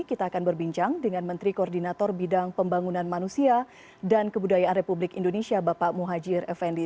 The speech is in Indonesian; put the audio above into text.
kita akan berbincang dengan menteri koordinator bidang pembangunan manusia dan kebudayaan republik indonesia bapak muhajir effendi